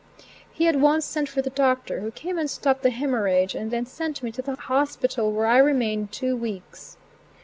He at once sent for the Doctor who came and stopped the hemorrhage, and then sent me to the hospital where I remained two weeks.